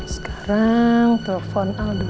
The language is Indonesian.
sekarang telepon al dulu